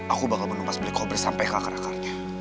aku bakal menempas black cobra sampai ke akar akarnya